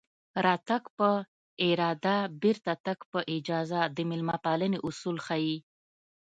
راتګ په اراده بېرته تګ په اجازه د مېلمه پالنې اصول ښيي